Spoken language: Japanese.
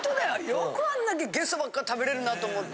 よくあんだけゲソばっか食べれるなと思って。